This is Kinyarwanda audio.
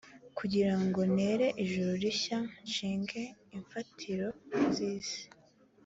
kugira ngo ntere ijuru rishya nshinge imfatiro z isi